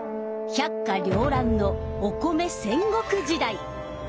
百花繚乱のお米戦国時代！